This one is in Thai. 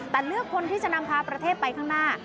แต่เลือกคนที่จะนำพาประเทศไปข้างหน้า